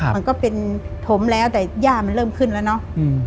มันก็เป็นถมแล้วแต่ย่ามันเริ่มขึ้นแล้วเนาะ